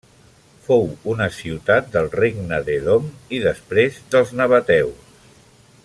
Fou una ciutat del Regne d'Edom i després dels nabateus.